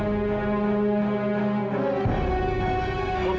mising eh duk